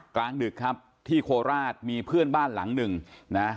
กลางดึกครับที่โคราชมีเพื่อนบ้านหลังหนึ่งนะ